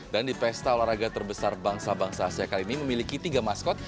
dan di pesta olahraga terbesar bangsa bangsa saya kali ini memiliki tiga maskot